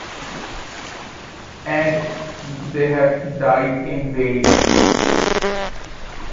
And they have died in vain.